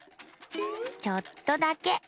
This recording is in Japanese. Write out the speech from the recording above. ⁉ちょっとだけ！